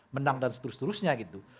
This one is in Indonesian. menang dan seterus terusnya gitu